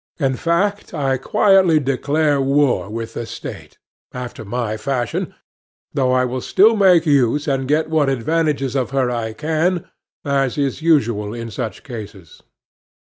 In fact, I quietly declare war with the State, after my fashion, though I will still make use and get what advantages of her I can, as is usual in such cases.